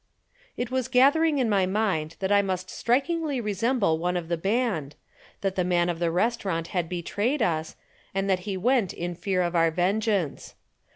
It was gathering in my mind that I must strikingly resemble one of the band, that the man of the restaurant had betrayed us, and that he went in fear of our vengeance.